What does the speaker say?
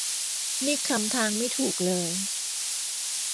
นี่คลำทางไม่ถูกเลย